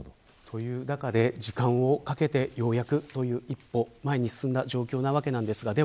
時間をかけてようやくという一歩前に進んだ状況です。